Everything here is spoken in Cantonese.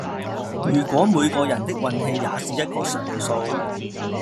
如果每個人的運氣也是一個常數